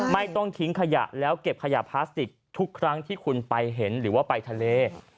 ไม่ต้องทิ้งขยะแล้วเก็บขยะพลาสติกทุกครั้งที่คุณไปเห็นหรือว่าไปทะเล